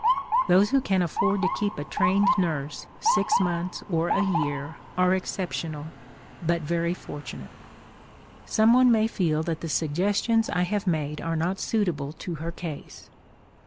Those who can afford to keep a trained nurse six months or a year are exceptional, but very fortunate. Someone may feel that the suggestions I have made are not suitable to her case.